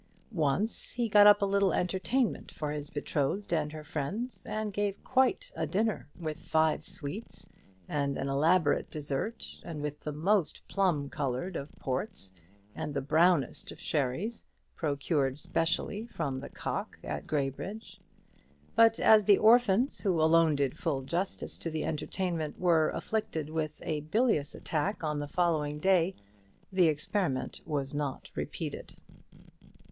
Once he got up a little entertainment for his betrothed and her friends, and gave quite a dinner, with five sweets, and an elaborate dessert, and with the most plum coloured of ports, and the brownest of sherries, procured specially from the Cock at Graybridge. But as the orphans, who alone did full justice to the entertainment, were afflicted with a bilious attack on the following day, the experiment was not repeated.